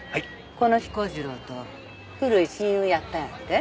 この彦次郎と古い親友やったんやて？